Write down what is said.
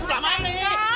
gua sudah mandi